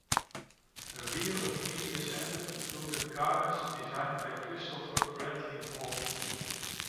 The rear of Media Centre included gardens designed by Christopher Bradley-Hole.